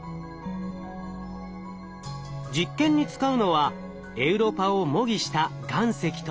実験に使うのはエウロパを模擬した岩石と水。